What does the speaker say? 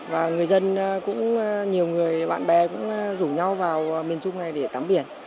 và người dân cũng nhiều người bạn bè cũng rủ nhau vào miền trung này để tắm biển